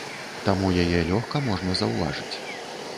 Таму яе лёгка можна заўважыць.